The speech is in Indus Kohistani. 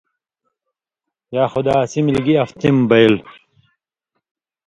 یا خُدا اسی ملیۡ گی افتی مہ بَیل